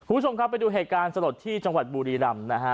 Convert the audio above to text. คุณผู้ชมครับไปดูเหตุการณ์สลดที่จังหวัดบุรีรำนะฮะ